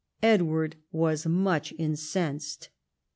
Edward was much incensed.